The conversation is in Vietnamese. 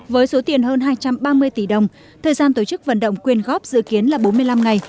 với số tiền hơn hai trăm ba mươi tỷ đồng thời gian tổ chức vận động quyên góp dự kiến là bốn mươi năm ngày